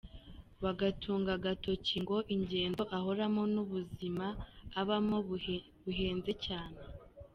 Bagatunga agatoki ngo ingendo ahoramo n’ubuzima abamo buhenze cyane.